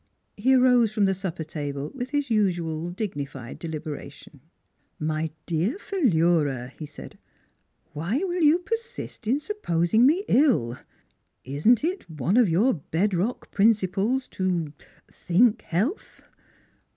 " He arose from the supper table with his usual 'dignified deliberation. " My dear Philura," he said, " Why will you NEIGHBORS 125 persist in supposing me ill? Isn't it one of your bed rock principles to er think health?''